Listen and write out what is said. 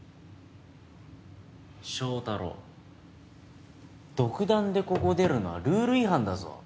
正太郎独断でここを出るのはルール違反だぞ。